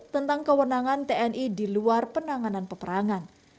tentang kewenangan tni di luar penanganan peperangan